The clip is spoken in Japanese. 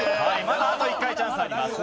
まだあと１回チャンスあります。